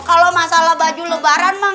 kalau masalah baju lebaran bang